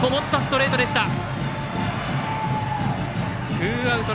ツーアウト！